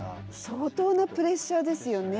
相当なプレッシャーですよね。